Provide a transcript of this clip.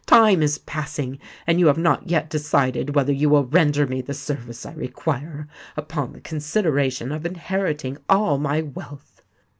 "Time is passing—and you have not yet decided whether you will render me the service I require, upon the consideration of inheriting all my wealth."